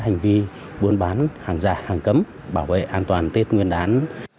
hành vi buôn bán hàng giả hàng cấm bảo vệ an toàn tết nguyên đán